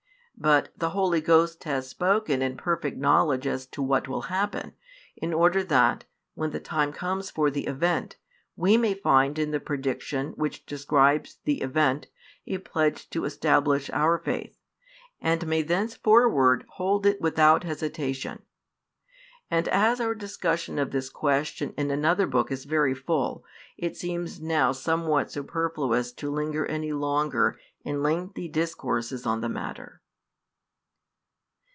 But the Holy Ghost has spoken in perfect foreknowledge as to what will happen, in order that, when the time comes for the event, we may find in the prediction which describes the event, a pledge to establish our faith, and may thenceforward hold it without hesitation. And as our discussion of this question in another book is very full, it seems now somewhat superfluous to linger any further in lengthy discourses on the matter.